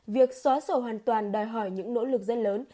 việc xóa sổ hoàn toàn đòi hỏi những nỗ lực rất lớn